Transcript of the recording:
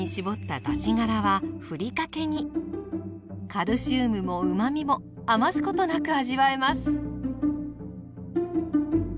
カルシウムもうまみも余すことなく味わえます。